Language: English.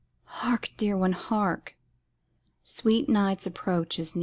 Hark, dear one, hark! Sweet night's approach is near.